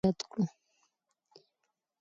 موږ باید په ګډو کارونو کې د ماشومانو ونډه زیات کړو